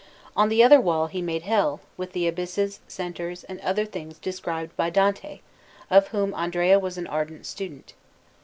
On the other wall he made Hell, with the abysses, centres, and other things described by Dante, of whom Andrea was an ardent student.